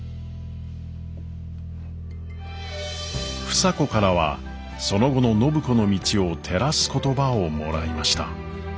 房子からはその後の暢子の道を照らす言葉をもらいました。